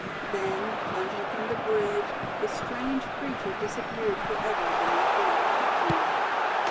Then, plunging from the bridge, the strange creature disappeared for ever beneath the ocean foam.